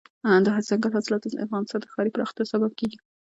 دځنګل حاصلات د افغانستان د ښاري پراختیا سبب کېږي.